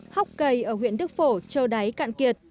hóc cây ở huyện đức phổ trâu đáy cạn kiệt